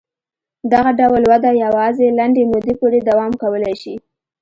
دغه ډول وده یوازې لنډې مودې پورې دوام کولای شي.